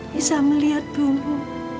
bisa melihat dulu